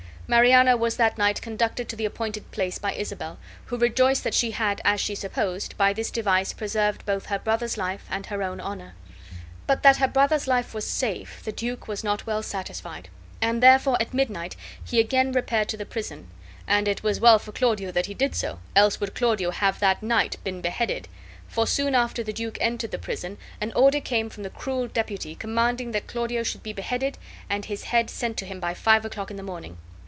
Mariana was that night conducted to the appointed place by Isabel, who rejoiced that she had, as she supposed, by this device preserved both her brother's life and her own honor. But that her brother's life was safe the duke was not well satisfied, and therefore at midnight he again repaired to the prison, and it was well for Claudio that he did so, else would Claudio have that night been beheaded; for soon after the duke entered the prison an order came from the cruel deputy commanding that Claudio should be beheaded and his head sent to him by five o'clock in the morning.